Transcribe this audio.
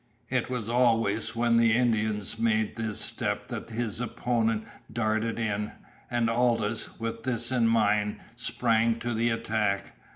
It was always when the Indian made this step that his opponent darted in; and Aldous, with this in mind, sprang to the attack.